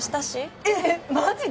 えっマジで！？